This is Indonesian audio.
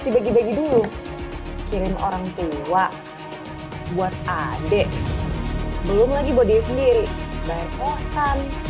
dibagi bagi dulu kirim orang tua buat adek belum lagi bodi sendiri bayar kosan